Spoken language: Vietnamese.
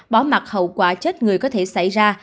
bỏ mặt hậu quả chết người có thể xảy ra